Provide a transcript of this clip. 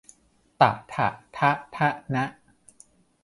ฏะฐะฑะฒะณะ